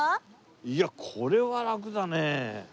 いやこれはラクだね。